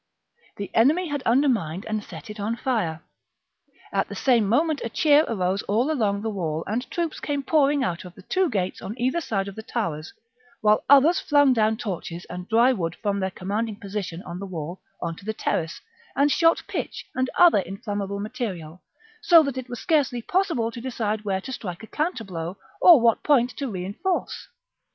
The enemy had undermined and set it on fire. At the same moment a cheer arose all along the wall and troops came pouring out of the two gates on either side of the towers, while others flung down torches and dry wood from their commanding position on the wall on to the terrace, and shot pitch and other inflammable material ; so that it was scarcely possible to decide where to strike a counter blow or what point to reinforce.